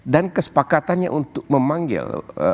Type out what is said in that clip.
dan kesepakatannya untuk memanggil